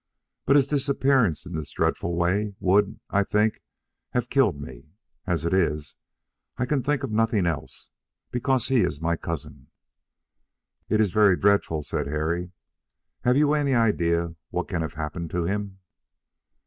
But his disappearance in this dreadful way would, I think, have killed me. As it is, I can think of nothing else, because he is my cousin." "It is very dreadful," said Harry. "Have you any idea what can have happened to him?"